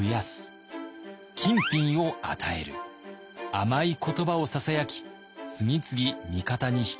甘い言葉をささやき次々味方に引き入れていきます。